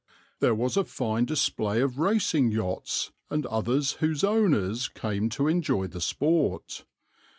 "There was a fine display of racing yachts and others whose owners came to enjoy the sport.